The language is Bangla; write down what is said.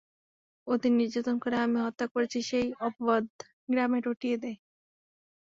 ওদের নির্যাতন করে আমি হত্যা করেছি সেই অপবাদ গ্রামে রটিয়ে দেয়।